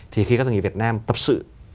thì khi các doanh nghiệp việt nam tập sự